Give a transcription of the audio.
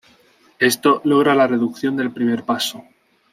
Esto logra la reducción del primer paso.